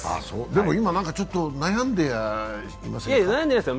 でも今、ちょっと悩んでませんか？